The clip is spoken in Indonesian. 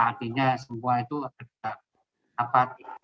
artinya semua itu ada di dapat